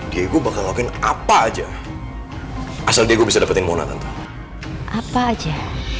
diego bakal ngapain apa aja asal dia bisa dapetin mona apa aja